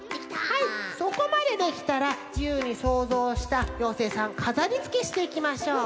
はいそこまでできたらじゆうにそうぞうした妖精さんかざりつけしていきましょう。